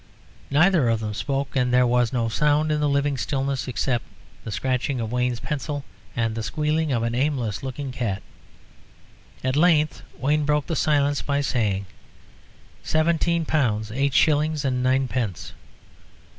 Neither of them spoke, and there was no sound in the living stillness except the scratching of Wayne's pencil and the squealing of an aimless looking cat. At length Wayne broke the silence by saying "Seventeen pounds eight shillings and ninepence."